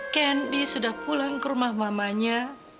kendi sudah pulang ke rumah mamanya